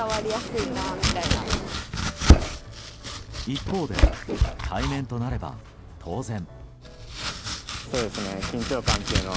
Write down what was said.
一方で、対面となれば当然。